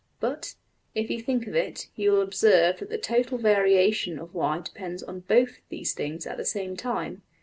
}\] But, if you think of it, you will observe that the total variation of~$y$ depends on \emph{both} these things at the same time.